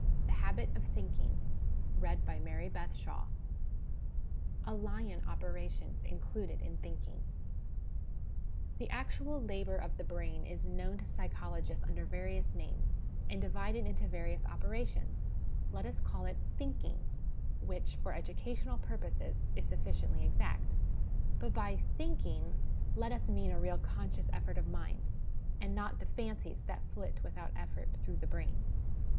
THE HABIT OF THINKING 'A Lion' Operations included in Thinking. The actual labour of the brain is known to psy chologists under various names, and divided into various operations : let us call it thinking, which, for educational purposes, is sufficiently exact ; but, by 1 thinking,' let us mean a real conscious effort of mind, and not the fancies that flit without effort through the brain.